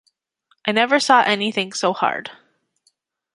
I never saw any thing so hard.